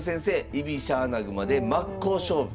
居飛車穴熊で真っ向勝負。